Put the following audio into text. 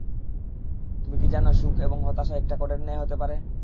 তুমি কি জানো সুখ এবং হতাশা একটা কোডের ন্যায় হতে পারে?